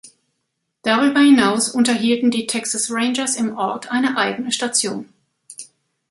Darüber hinaus unterhielten die Texas Rangers im Ort eine eigene Station.